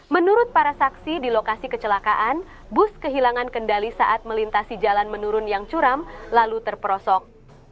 menurut para saksi di lokasi kecelakaan bus kehilangan kendali saat melintasi jalan menurun yang curam lalu terperosok